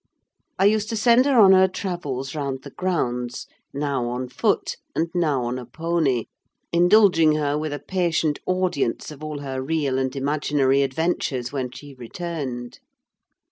I used to send her on her travels round the grounds—now on foot, and now on a pony; indulging her with a patient audience of all her real and imaginary adventures when she returned.